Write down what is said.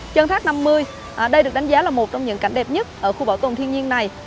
chân thác năm mươi đây được đánh giá là một trong những cảnh đẹp nhất ở khu bảo tồn thiên nhiên này